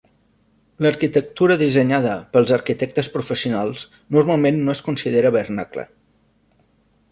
L'arquitectura dissenyada pels arquitectes professionals normalment no es considera vernacle.